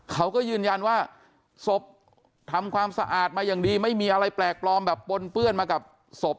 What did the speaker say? เขาก็ยืนยันว่าศพทำความสะอาดมาอย่างดีไม่มีอะไรแปลกปลอมแบบปนเปื้อนมากับศพ